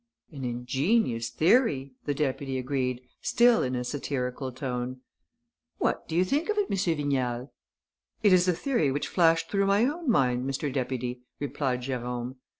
"An ingenious theory," the deputy agreed, still in a satirical tone. "What do you think of it, M. Vignal?" "It is a theory which flashed through my own mind. Mr. Deputy," replied Jérôme.